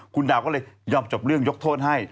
คุณดาวก็เลยยอมจบเรื่องยกโทษให้